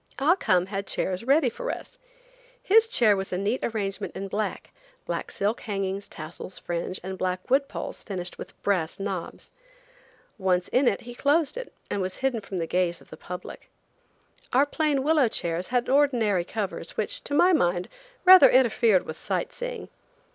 Ah Cum had chairs ready for us. His chair was a neat arrangement in black, black silk hangings, tassels, fringe and black wood poles finished with brass knobs. Once in it, he closed it, and was hidden from the gaze of the public. Our plain willow chairs had ordinary covers, which, to my mind, rather interfered with sightseeing.